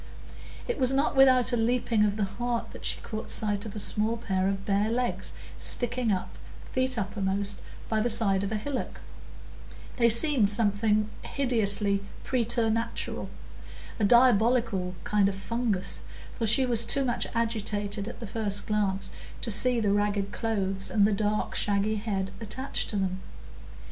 It was not without a leaping of the heart that she caught sight of a small pair of bare legs sticking up, feet uppermost, by the side of a hillock; they seemed something hideously preternatural,—a diabolical kind of fungus; for she was too much agitated at the first glance to see the ragged clothes and the dark shaggy head attached to them.